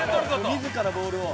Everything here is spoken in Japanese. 「自らボールを」